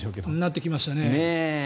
なってきましたね。